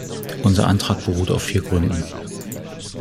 Unser Antrag beruht auf vier Gründen.